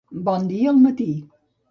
Bon dia al matí.